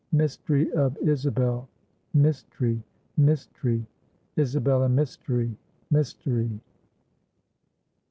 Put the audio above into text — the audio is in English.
Mystery of Isabel! Mystery! Mystery! Isabel and Mystery! Mystery!"